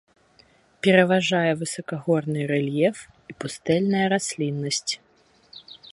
Пераважае высакагорны рэльеф і пустэльная расліннасць.